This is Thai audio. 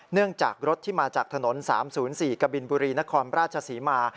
เนื่องจากรถที่มาจากถนน๓๐๔กบินบุรีนครราชศรีมา